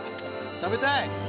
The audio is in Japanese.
食べたい！